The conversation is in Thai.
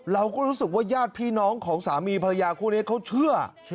เราก็รู้สึกว่าญาติพี่น้องของสามีภรรยาคู่นี้เขาเชื่อ